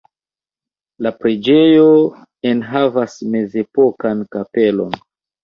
La preĝejo enhavas mezepokan kapelon.